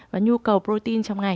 và nhu cầu protein trong ngày